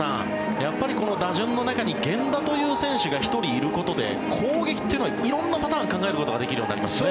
やっぱりこの打順の中に源田という選手が１人いることで攻撃というのは色んなパターン考えることができるようになりますね。